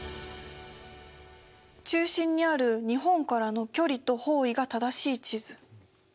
中心にある日本からの距離と方位が正しい地図。